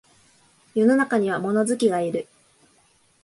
世の中には物好きがいる